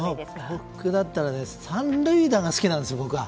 僕だったら３塁打が好きなんです、僕は。